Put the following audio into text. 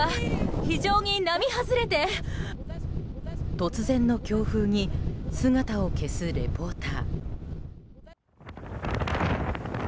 突然の強風に姿を消すレポーター。